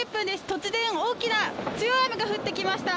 突然強い雨が降ってきました。